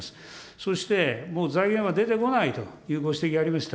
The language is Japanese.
そして、もう財源は出てこないというご指摘がありました。